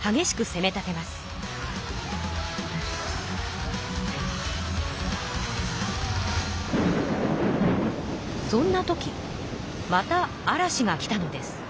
そんなときまた嵐が来たのです。